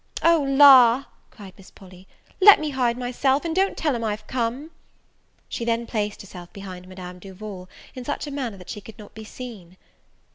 "O, la!" cried Miss Polly, "let me hide myself, and don't tell him I'm come." She then placed herself behind Madame Duval, in such a manner that she could not be seen.